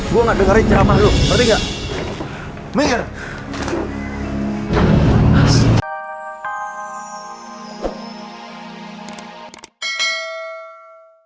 gue gak dengerin cerama lu ngerti gak